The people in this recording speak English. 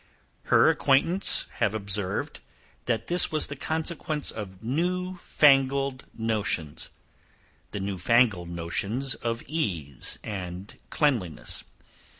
Her acquaintance have observed, that this was the consequence of new fangled notions the new fangled notions of ease and cleanliness.